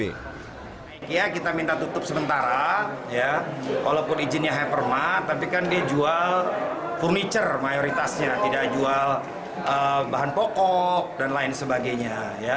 saya kita minta tutup sementara walaupun izinnya hypermat tapi kan dia jual furniture mayoritasnya tidak jual bahan pokok dan lain sebagainya